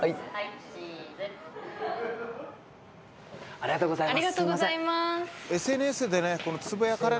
ありがとうございます。